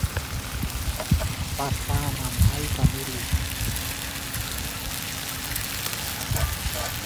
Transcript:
Search y Bing tanto conocido como la Alianza Microsoft Search.